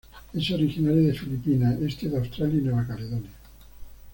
Es originario de Filipinas, este de Australia y Nueva Caledonia.